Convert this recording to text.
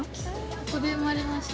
ここで生まれました。